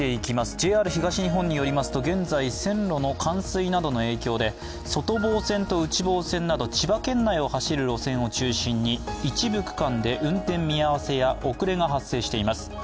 ＪＲ東日本によりますと現在線路の冠水などの影響で外房線と内房線など千葉県内を走る路線を中心に一部区間で運転見合わせや遅れが発生しています。